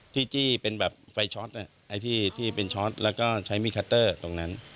จี้เป็นแบบไฟช็อตที่เป็นช็อตแล้วก็ใช้มีดคัตเตอร์ตรงนั้น